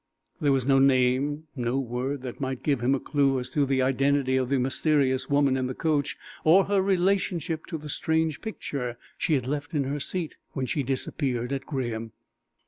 There was no name, no word that might give him a clue as to the identity of the mysterious woman in the coach, or her relationship to the strange picture she had left in her seat when she disappeared at Graham.